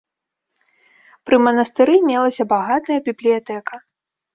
Пры манастыры мелася багатая бібліятэка.